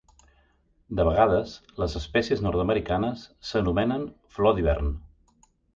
De vegades, les espècies nord-americanes s'anomenen flor d'hivern.